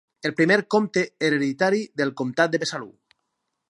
Primer comte hereditari del comtat de Besalú.